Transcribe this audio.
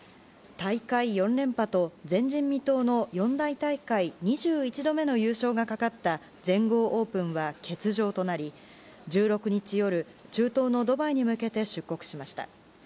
大会４連覇と前人未到の四大大会２１度目の優勝がかかった全豪オープンは欠場となり１６日夜、中東のドバイに向けて出国しました。